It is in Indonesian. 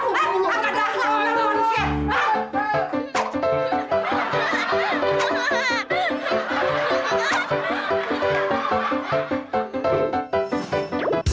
kalau lo gak mati gue yang mati